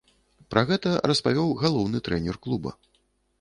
Пра гэта распавёў галоўны трэнер клуба.